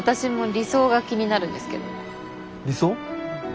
理想？